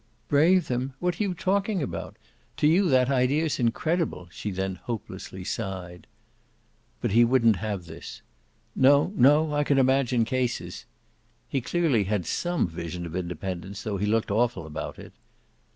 "Brave them what are you talking about? To you that idea's incredible!" she then hopelessly sighed. But he wouldn't have this. "No, no I can imagine cases." He clearly had SOME vision of independence, though he looked awful about it.